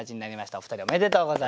お二人おめでとうございます。